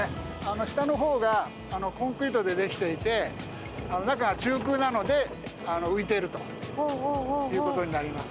下の方がコンクリートで出来ていて中が中空なので浮いているということになります。